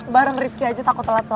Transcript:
bareng rifki aja takut telat soal